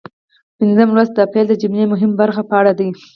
پنځم لوست د فعل د جملې مهمه برخه په اړه دی.